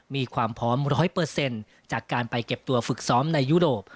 มีความพร้อม๑๐๐จากการไปเก็บตัวฝึกซ้อมในยุโรป